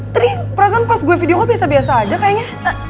tri perasaan pas gue video oh biasa biasa aja kayaknya